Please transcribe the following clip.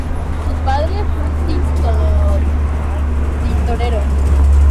Su padre fue un tintorero.